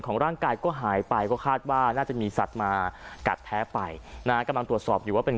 ร่างกายก็หายไปก็คาดว่าน่าจะมีสัตว์มากัดแพ้ไปนะกำลังตรวจสอบอยู่ว่าเป็น